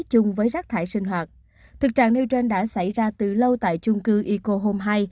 hoặc thực trạng nêu trên đã xảy ra từ lâu tại chung cư eco home hai